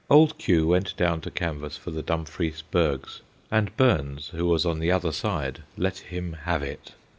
Old Q. went down to canvass for the Dumfries Burghs, and Burns, who was on the other side, let him have it.